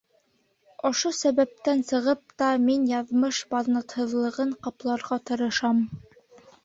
Ошо сәбәптән сығып та, мин яҙмыш баҙнатһыҙлығын ҡапларға тырышам.